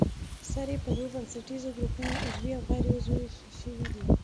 سرې په دوو بنسټیزو ګروپونو عضوي او غیر عضوي ویشل شوې دي.